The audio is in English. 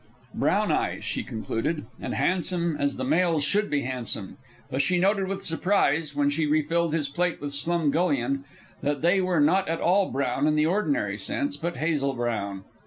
Brown eyes, she concluded, and handsome as the male's should be handsome; but she noted with surprise, when she refilled his plate with slumgullion, that they were not at all brown in the ordinary sense, but hazel brown.